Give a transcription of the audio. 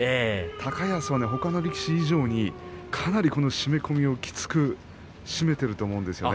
高安はほかの力士以上に締め込みをきつく締めていると思うんですね。